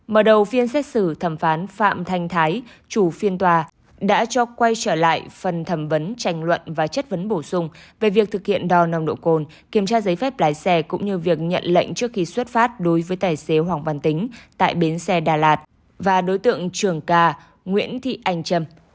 mở đầu phiên xét xử thẩm phán phạm thanh thái chủ phiên tòa đã cho quay trở lại phần thẩm vấn tranh luận và chất vấn bổ sung về việc thực hiện đo nồng độ cồn kiểm tra giấy phép lái xe cũng như việc nhận lệnh trước khi xuất phát đối với tài xế hoàng văn tính tại bến xe đà lạt và đối tượng trường ca nguyễn thị anh trâm